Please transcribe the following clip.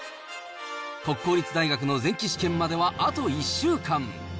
国公立大学の前期試験まではあと１週間。